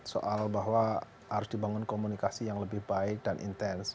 soal bahwa harus dibangun komunikasi yang lebih baik dan intens